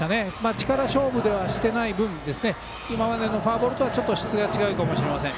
力勝負をしていない分今までのフォアボールとはちょっと質が違うかもしれません。